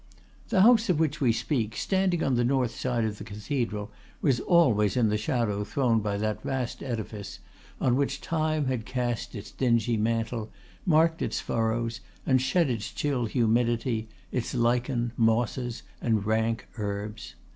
The house of which we speak, standing on the north side of the cathedral, was always in the shadow thrown by that vast edifice, on which time had cast its dingy mantle, marked its furrows, and shed its chill humidity, its lichen, mosses, and rank herbs.